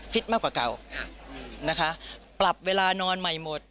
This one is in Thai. มากกว่าเก่านะคะปรับเวลานอนใหม่หมด